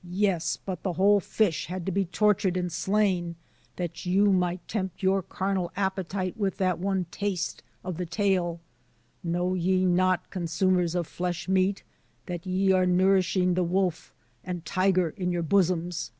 " Yes, but the whole fish had to be tortured and slain that you might tempt your carnal appetite with that one taste of the tail. Know ye not, consumers of flesh meat, that ye are nourishing the wolf and tiger in your bosoms?"